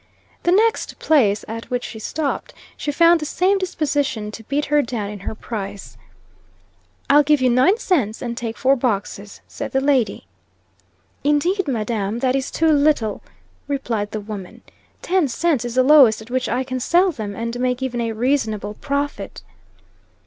The next place at which she stopped, she found the same disposition to beat her down in her price. "I'll give you nine cents, and take four boxes," said the lady. "Indeed, madam, that is too little," replied the woman; "ten cents is the lowest at which I can sell them and make even a reasonable profit."